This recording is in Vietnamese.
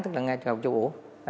tức là ngay chỗ châu ủ